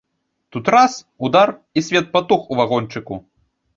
Тут раз, удар, і свет патух у вагончыку.